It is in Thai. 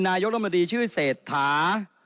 นายกรมตรีชื่อเศรษฐา